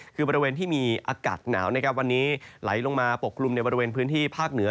คือบริเวณที่มีอากาศหนาวนะครับวันนี้ไหลลงมาปกกลุ่มในบริเวณพื้นที่ภาคเหนือ